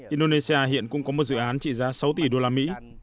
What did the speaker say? indonesia hiện cũng có một dự án trị giá sáu tỷ usd